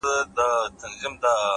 پرمختګ له داخلي بدلون پیل کېږي؛